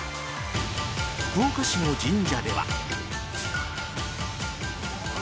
福岡市の神社では。